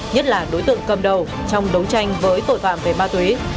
nhất là đối tượng cầm đầu trong đấu tranh với tội phạm về ma túy